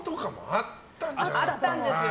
あったんですよ。